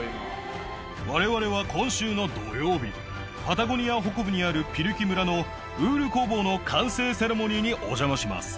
われわれは今週の土曜日、パタゴニア北部にあるピルキ村のウール工房の完成セレモニーにお邪魔します。